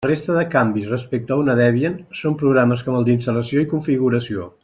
La resta de canvis respecte a una Debian són programes com el d'instal·lació i configuració.